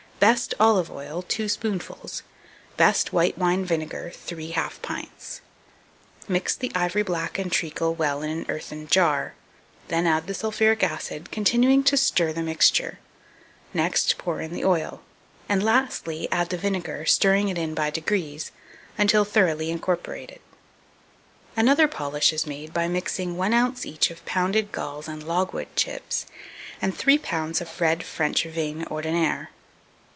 best olive oil 2 spoonfuls, best white wine vinegar 3 half pints: mix the ivory black and treacle well in an earthen jar; then add the sulphuric acid, continuing to stir the mixture; next pour in the oil; and, lastly, add the vinegar, stirring it in by degrees, until thoroughly incorporated. 241. Another polish is made by mixing 1 oz. each of pounded galls and logwood chips, and 3 lbs. of red French vine (ordinaire).